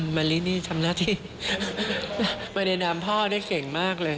มะลินี่ทำหน้าที่มาในนามพ่อได้เก่งมากเลย